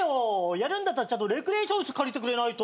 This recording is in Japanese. やるんだったらちゃんとレクリエーション室借りてくれないと。